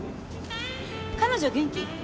彼女元気？